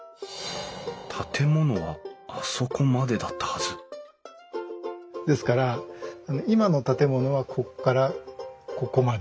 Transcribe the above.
建物はあそこまでだったはずですから今の建物はここからここまで。